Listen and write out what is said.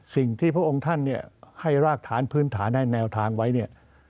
สิ่งที่พวกองท่านให้รากฐานพื้นฐานให้แนวทางไว้